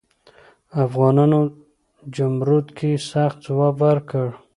افغانانو جمرود کې سخت ځواب ورکړ.